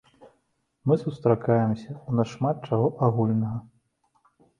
Мы сустракаемся, у нас шмат чаго агульнага.